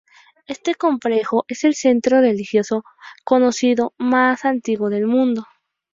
Este complejo, es el centro religioso conocido más antiguo del mundo.